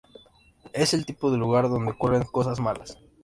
Es el tipo de lugar donde ocurren cosas malas.